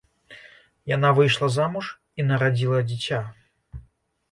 Яна выйшла замуж і нарадзіла дзіця.